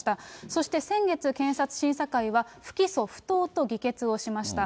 そして先月、検察審査会は不起訴不当と議決をしました。